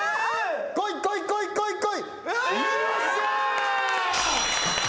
来い来い来い来い来い。